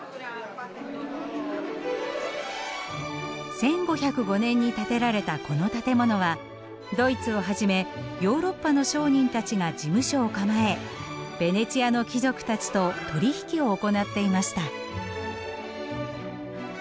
１５０５年に建てられたこの建物はドイツをはじめヨーロッパの商人たちが事務所を構えベネチアの貴族たちと取り引きを行っていました。